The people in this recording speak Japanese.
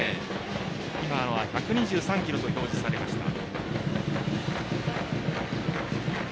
今のは１２３キロと表示されました。